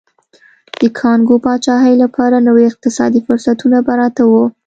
د کانګو پاچاهۍ لپاره نوي اقتصادي فرصتونه پراته وو.